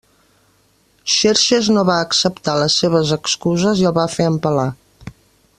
Xerxes no va acceptar les seves excuses i el va fer empalar.